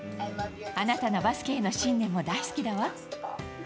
あなたのバスケへの信念も大好きだわ。